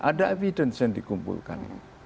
ada evidence yang dikumpulkan